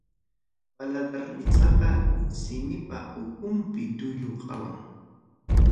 Paladar nisqaqa simipa ukunpi tullu hawam.